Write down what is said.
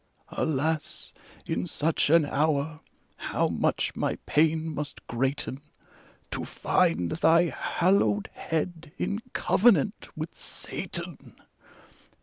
Alas, in such an hour, how much my pain must greaten. To find thy hallowed head in covenant with Satan